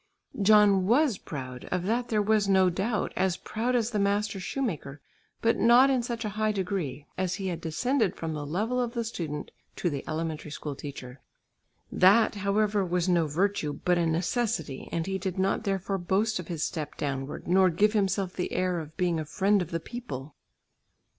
John was proud, of that there was no doubt, as proud as the master shoemaker, but not in such a high degree, as he had descended from the level of the student to the elementary school teacher. That, however, was no virtue, but a necessity, and he did not therefore boast of his step downward, nor give himself the air of being a friend of the people.